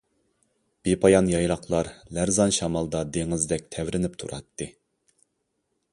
بىپايان يايلاقلار لەرزان شامالدا دېڭىزدەك تەۋرىنىپ تۇراتتى.